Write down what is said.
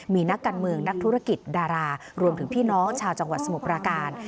มีนักการเมืองนักธุรกิจดารารวมถึงพี่น้องชาวจังหวัดสมุทรปราการ